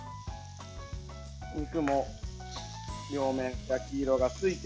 肉も両面、焼き色がついて。